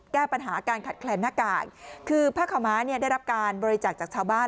แก้ปัญหาการขัดแคลนหน้ากากคือผ้าขาวม้าเนี่ยได้รับการบริจาคจากชาวบ้าน